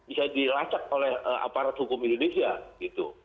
bisa dilacak oleh aparat hukum indonesia gitu